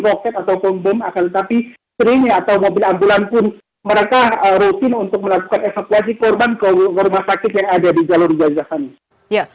roket ataupun bom akan tetapi seringnya atau mobil ambulan pun mereka rutin untuk melakukan evakuasi korban ke rumah sakit yang ada di jalur gaza fani